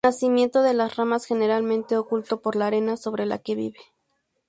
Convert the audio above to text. Nacimiento de las ramas generalmente oculto por la arena sobre la que vive.